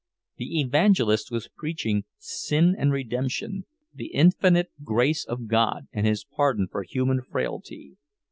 The evangelist was preaching "sin and redemption," the infinite grace of God and His pardon for human frailty.